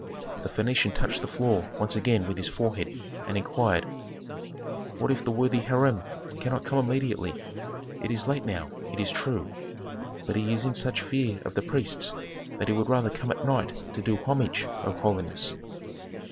The Phœnician touched the floor once again with his forehead, and inquired, "What if the worthy Hiram cannot come immediately? It is late now, it is true. But he is in such fear of the priests that he would rather come at night to do homage, O holiness."